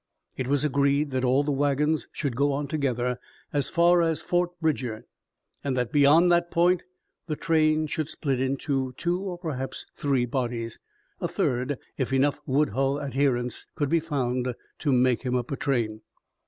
It was agreed that all the wagons should go on together as far as Fort Bridger, and that beyond that point the train should split into two or perhaps three bodies a third if enough Woodhull adherents could be found to make him up a train.